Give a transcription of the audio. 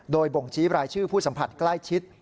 โดยบ่งชี้รายชื่อผู้สัมผัสใกล้ชิด